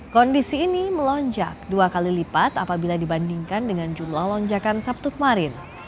kondisi ini melonjak dua kali lipat apabila dibandingkan dengan jumlah lonjakan sabtu kemarin